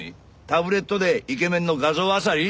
タブレットでイケメンの画像あさり？